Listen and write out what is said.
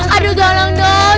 aduh jangan dong